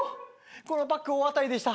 このパック大当たりでした。